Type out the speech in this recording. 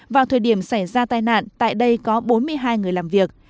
vào thời điểm xảy ra tai nạn tại đây có bốn mươi hai người làm việc